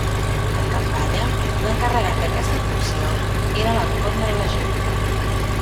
En campanya, l'encarregat d'aquesta funció era l'arcont de la legió.